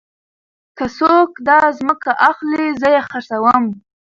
که څوک داځمکه اخلي زه يې خرڅوم.